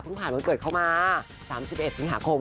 ผ่านวันเกิดเข้ามา๓๑สิงหาคม